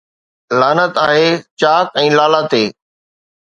لعنت آهي چاڪ ۽ لالا تي